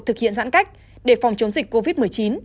thực hiện giãn cách để phòng chống dịch covid một mươi chín